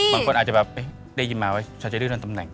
บางคนอาจจะแบบเอ๊ะได้ยินมาไว้ชันจะดึงโดนตำแหน่ง